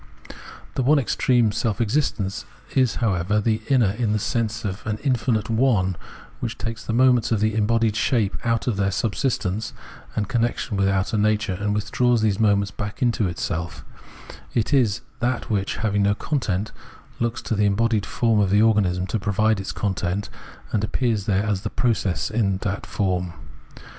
272 Phenomenology of Mind The one extreme, self existence, is, however, the inner in the sense of an infinite " one ", which takes the moments of the embodied shape itself out of their sub sistence and connection with outer nature and withdraws these moments back into itself ; it is that which, having no content, looks to the embodied form of the organism to provide its content, and appears there as the process of that form.